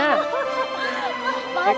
pak ini bapak peminya